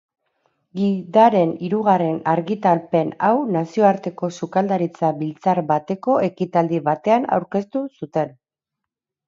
Gidaren hirugarren argitalpen hau nazioarteko sukaldaritza biltzar bateko ekitaldi batean aurkeztu zuten.